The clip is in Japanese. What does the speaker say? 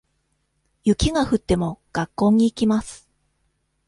雪が降っても、学校に行きます。